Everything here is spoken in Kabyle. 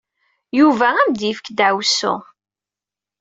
Yuba ad am-yefk ddeɛwessu.